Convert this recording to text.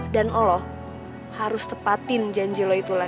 dan allah harus tepatin janji lo itu lan